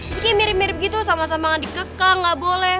bikin mirip mirip gitu sama sama yang dikekang gak boleh